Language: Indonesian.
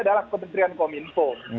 adalah kementerian kominfo